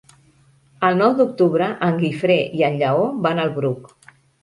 El nou d'octubre en Guifré i en Lleó van al Bruc.